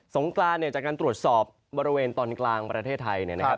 งกรานเนี่ยจากการตรวจสอบบริเวณตอนกลางประเทศไทยเนี่ยนะครับ